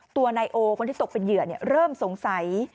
ตัวนายโอคนที่ตกเป็นเหยื่อเริ่มสงสัย